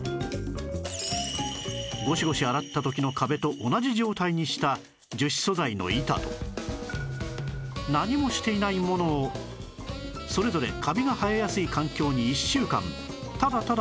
ゴシゴシ洗った時の壁と同じ状態にした樹脂素材の板と何もしていないものをそれぞれカビが生えやすい環境に１週間ただただ放置する事に